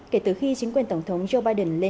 kể từ khi chính quyền tổng thống joe biden lên nắm quyền